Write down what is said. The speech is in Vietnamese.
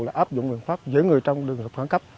là áp dụng biện pháp giữ người trong đường hợp kháng cấp